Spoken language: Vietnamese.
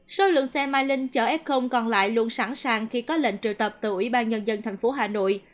số lượng xe mai linh chở f còn lại luôn sẵn sàng khi có lệnh trừ tập từ ủy ban nhân dân thành phố hà nội